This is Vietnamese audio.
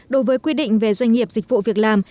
đối với quy định về doanh nghiệp dịch vụ việc làm